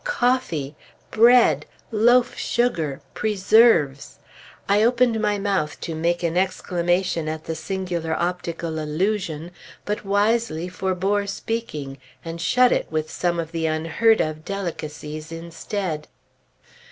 Coffee! Bread! Loaf sugar! Preserves! I opened my mouth to make an exclamation at the singular optical illusion, but wisely forbore speaking, and shut it with some of the unheard of delicacies instead....